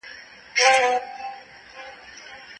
که معلومات دقیق وي پایلي به هم سمي وي.